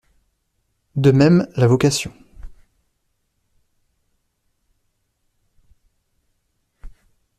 De même la vocation.